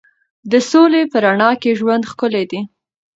د سولې په رڼا کې ژوند ښکلی دی.